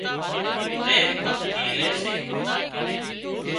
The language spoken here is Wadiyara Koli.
پريم هپ ٿِي ري سي